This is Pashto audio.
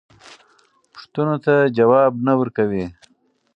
پوښتنو ته ځواب نه ورکوي.